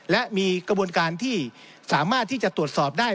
และมีกระบวนการที่สามารถที่จะตรวจสอบได้